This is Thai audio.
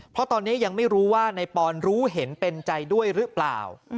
เพราะตอนนี้ยังไม่รู้ว่านายปอนรู้เห็นเป็นใจด้วยหรือเปล่า